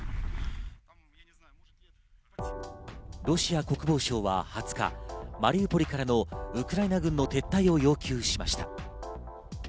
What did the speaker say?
ロシア国防省は２０日、マリウポリからのウクライナ軍の撤退を要求しました。